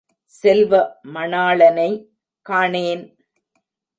செல்வ மணாளனை காணேன்!